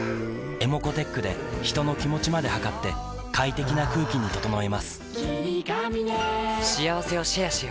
ｅｍｏｃｏーｔｅｃｈで人の気持ちまで測って快適な空気に整えます